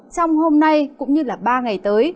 trong hôm nay cũng như là ba ngày tới